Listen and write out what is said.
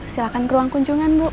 silahkan ke ruang kunjungan bu